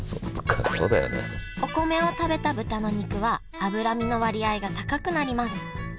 お米を食べた豚の肉は脂身の割合が高くなります。